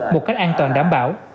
một cách an toàn đảm bảo